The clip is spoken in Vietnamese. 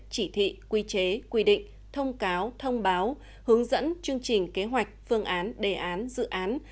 chỉ thị quy chế quy định thông cáo thông báo hướng dẫn chương trình kế hoạch phương án đề án dự án